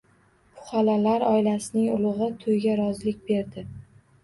Puxalalar oilasining ulugʻi toʻyga rozilik berdi.